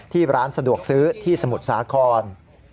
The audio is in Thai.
ร้านสะดวกซื้อที่สมุทรสาคร